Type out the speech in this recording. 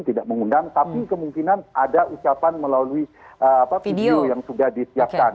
tidak mengundang tapi kemungkinan ada ucapan melalui video yang sudah disiapkan